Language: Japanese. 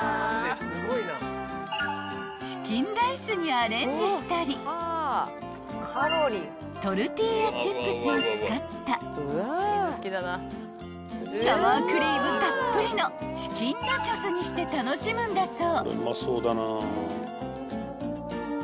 ［チキンライスにアレンジしたりトルティーヤチップスを使ったサワークリームたっぷりのチキンナチョスにして楽しむんだそう］